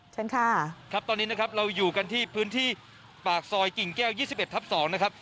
เชิญค่ะครับตอนนี้นะครับเราอยู่กันที่พื้นที่ปากซอยกิ่งแก้ว๒๑ทับ๒นะครับ